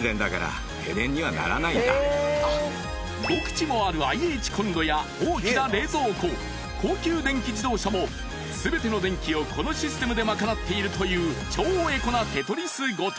［５口もあるＩＨコンロや大きな冷蔵庫高級電気自動車も全ての電気をこのシステムで賄っているという超エコなテトリス御殿］